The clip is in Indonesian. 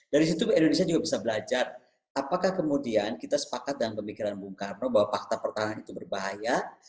dari situ indonesia juga bisa belajar apakah kemudian kita sepakat dengan pemikiran bung karno bahwa fakta pertahanan itu berbahaya